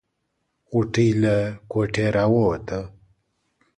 غوټۍ له کوټې راووته.